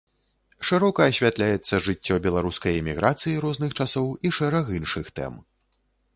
Шырока асвятляецца жыццё беларускай эміграцыі розных часоў і шэраг іншых тэм.